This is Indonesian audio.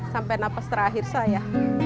sampai nafas terakhir saya